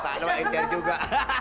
tak ada yang lepasin juga